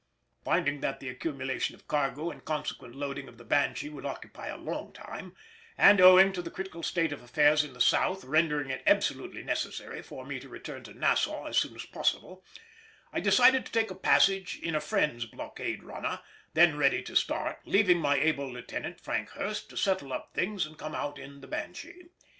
Finding that the accumulation of cargo and consequent loading of the Banshee would occupy a long time, and owing to the critical state of affairs in the South rendering it absolutely necessary for me to return to Nassau as soon as possible, I decided to take a passage in a friend's blockade runner then ready to start, leaving my able lieutenant Frank Hurst to settle up things and come out in the Banshee.